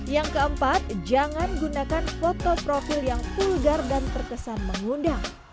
yang keempat jangan gunakan foto profil yang vulgar dan terkesan mengundang